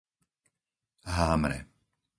Hámre